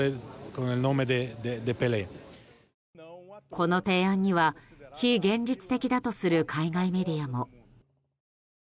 この提案には非現実的だとする海外メディアも。